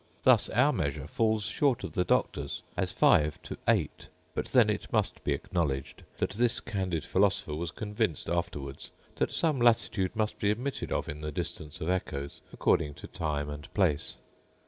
Thus our measure falls short of the Doctor's, as five to eight: but then it must be acknowledged that this candid philosopher was convinced afterwards, that some latitude must be admitted of in the distance of echoes according to time and place.